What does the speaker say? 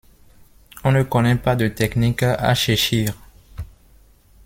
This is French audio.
On ne connaît pas de techniques à Cheshire.